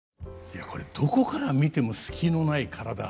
いやこれどこから見ても隙のない体。